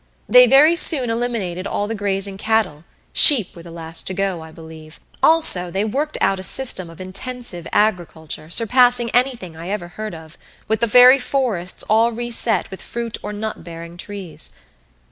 They very soon eliminated all the grazing cattle sheep were the last to go, I believe. Also, they worked out a system of intensive agriculture surpassing anything I ever heard of, with the very forests all reset with fruit or nut bearing trees.